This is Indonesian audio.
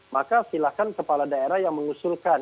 maka silahkan kepala daerah yang mengusulkan